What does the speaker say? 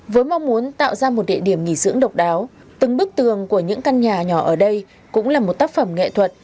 với mong muốn tạo ra một địa điểm nghỉ dưỡng độc đáo từng bức tường của những căn nhà nhỏ ở đây cũng là một tác phẩm nghệ thuật